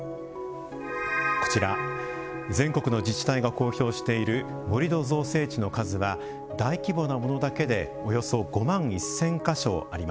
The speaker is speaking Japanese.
こちら全国の自治体が公表している盛土造成地の数は大規模なものだけでおよそ５万１，０００か所あります。